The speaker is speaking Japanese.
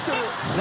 何？